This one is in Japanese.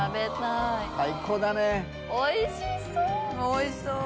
おいしそう！